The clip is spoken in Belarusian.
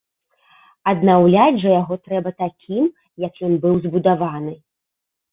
Аднаўляць жа яго трэба такім, якім ён быў збудаваны.